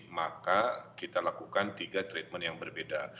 maka kita lakukan tiga treatment yang berbeda